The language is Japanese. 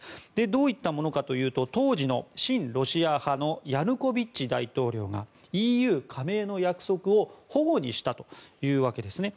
どういったものかというと当時の親ロシア派のヤヌコビッチ大統領がＥＵ加盟の約束を反故にしたというわけですね。